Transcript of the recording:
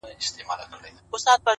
پوهه د انسان تلپاتې ملګرې ده!